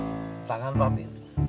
oh tangan papi